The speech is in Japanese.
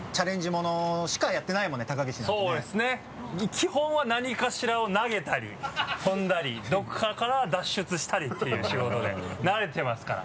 基本は何かしらを投げたり跳んだりどこかから脱出したりっていう仕事で慣れてますから。